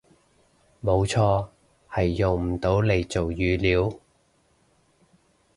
冇錯，係用唔到嚟做語料